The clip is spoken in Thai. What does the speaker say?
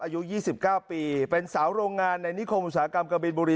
อายุยี่สิบเก้าปีเป็นสาวโรงงานในนิคมสาหกรรมกระบินบุรี